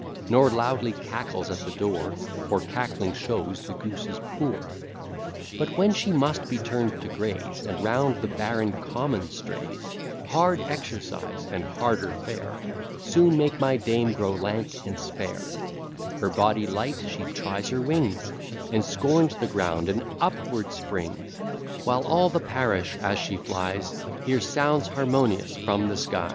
Nor loudly cackles at the door; For cackling shows the goose is poor. But, when she must be turn'd to graze, And round the barren common strays, Hard exercise, and harder fare, Soon make my dame grow lank and spare; Her body light, she tries her wings, And scorns the ground, and upward springs; While all the parish, as she flies, Hear sounds harmonious from the skies.